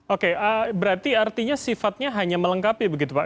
oke berarti artinya sifatnya hanya melengkapi begitu pak